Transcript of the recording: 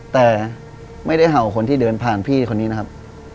แต่ไม่ได้เห่าคนที่เดินผ่านพี่คนนี้นะครับ